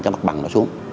cái mặt bằng đó xuống